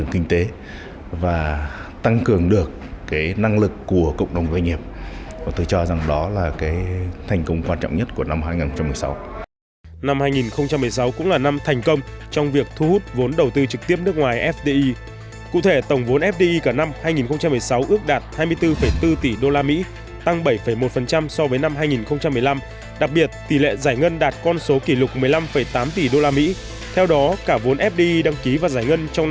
việc giải ngân tăng kỷ lục như năm hai nghìn một mươi sáu và tỷ lệ giải ngân so với tỷ lệ vốn đăng ký